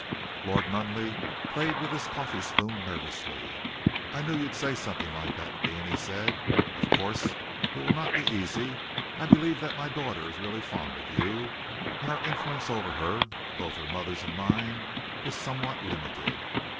Lord Nunneley played with his coffee spoon nervously. "I knew you'd say something like that, Deane," he said. "Of course, it will not be easy. I believe that my daughter is really fond of you, and our influence over her, both her mother's and mine, is somewhat limited.